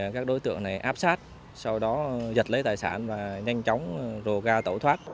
các đối tượng này áp sát sau đó giật lấy tài sản và nhanh chóng rồ ga tẩu thoát